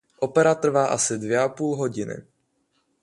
Opera trvá asi dvě a půl hodiny.